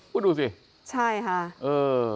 คุณดูสิใช่ค่ะเออ